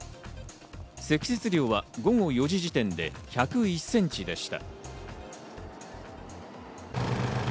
積雪量は午後４時時点で１０１ｃｍでした。